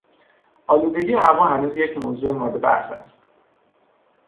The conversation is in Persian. آلودگی هوا هنوز یک موضوع مورد بحث است.